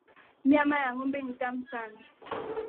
Nyama ya ng'ombe ni tamu sana